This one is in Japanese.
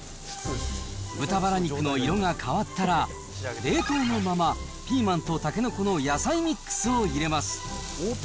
豚バラ肉の色が変わったら、冷凍のまま、ピーマンとタケノコの野菜ミックスを入れます。